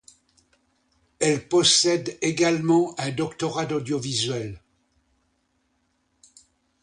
Elle possède également un doctorat d'audiovisuel.